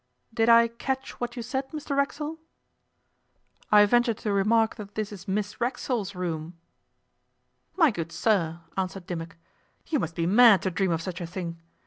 'Did I catch what you said, Mr Racksole?' 'I venture to remark that this is Miss Racksole's room.' 'My good sir,' answered Dimmock, 'you must be mad to dream of such a thing.